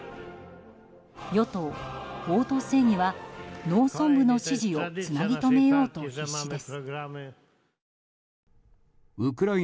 与党・法と正義は農村部の支持をつなぎ止めようと必死です。